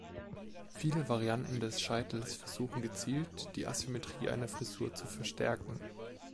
Viele Varianten des Scheitels versuchen gezielt, die Asymmetrie einer Frisur zu verstärken.